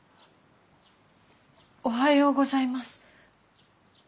おはようございます。